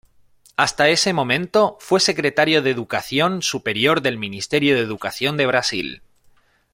Hasta ese momento, fue Secretario de Educación Superior del Ministerio de Educación de Brasil.